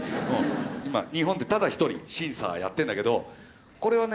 今日本でただ一人シンサーやってるんだけどこれはね